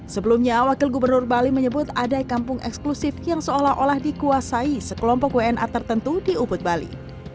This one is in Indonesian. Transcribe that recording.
sebelumnya wakil gubernur bali menyebut ada kampung eksklusif yang seolah olah dikuasai sekelompok wna tertentu di ubud bali